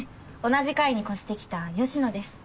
同じ階に越してきた吉野です。